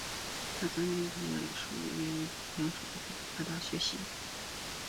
他曾从其叔著名语言学家杨树达学习。